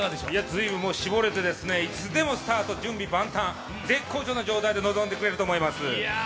ずいぶん絞れて、いつでもスタート準備万端、絶好調な状態で臨んでくれると思います。